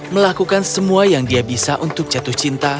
melakukan semua yang dia bisa untuk jatuh cinta